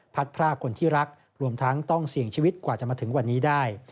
พรากคนที่รักรวมทั้งต้องเสี่ยงชีวิตกว่าจะมาถึงวันนี้ได้